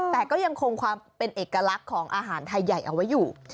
แต่ก็ยังคงความเป็นเอกลักษณ์ของอาหารไทยใหญ่เอาไว้อยู่